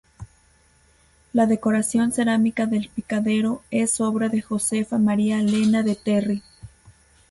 La decoración cerámica del picadero es obra de Josefa María Lena de Terry.